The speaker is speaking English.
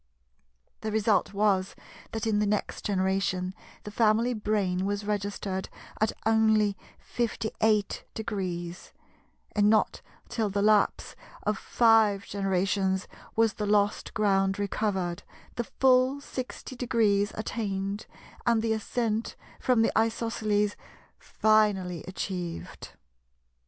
The result was that in the next generation the family brain was registered at only 58°, and not till the lapse of five generations was the lost ground recovered, the full 60° attained, and the Ascent from the Isosceles finally achieved.